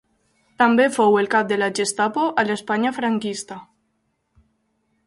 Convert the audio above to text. També fou el cap de la Gestapo a l'Espanya franquista.